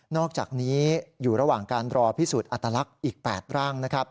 อกจากนี้อยู่ระหว่างการรอพิสูจน์อัตลักษณ์อีก๘ร่างนะครับ